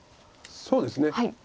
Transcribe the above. そうですね。